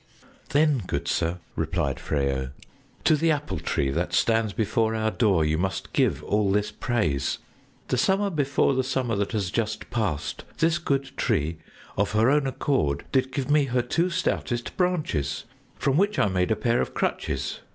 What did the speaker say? "Then, good sir," replied Freyo, "to the Apple Tree that stands before our door you must give all this praise. The summer before the summer that has just passed, this good tree of her own accord did give me her two stoutest branches, from which I made a pair of crutches.